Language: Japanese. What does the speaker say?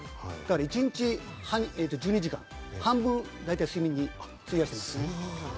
一日１２時間、大体半分睡眠に費やしています。